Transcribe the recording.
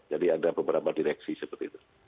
jadi ada beberapa direksi seperti itu